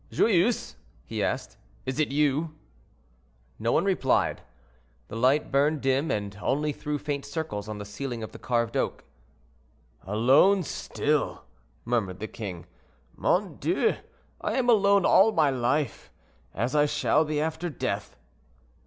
"Joyeuse," he asked; "is it you?" No one replied. The light burned dim, and only threw faint circles on the ceiling of carved oak. "Alone, still!" murmured the king. "Mon Dieu! I am alone all my life, as I shall be after death."